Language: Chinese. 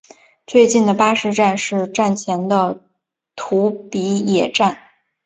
最近的巴士站是站前的土笔野站。